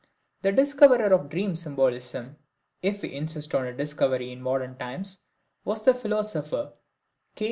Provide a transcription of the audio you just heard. The discoverer of dream symbolism, if we insist on a discovery in modern times, was the philosopher K.